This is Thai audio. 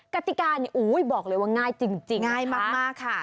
กติกานี่บอกเลยว่าง่ายจริงง่ายมากค่ะ